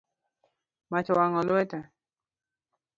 Mach owang’o lweta